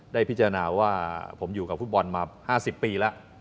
ได้พิจารณาว่าผมอยู่กับฟุตบอลมา๕๐ปีแล้ว